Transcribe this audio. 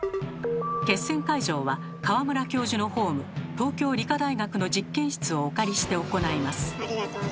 決戦会場は川村教授のホーム東京理科大学の実験室をお借りして行います。